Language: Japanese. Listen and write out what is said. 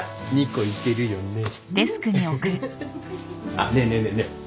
あっねえねえねえねえ。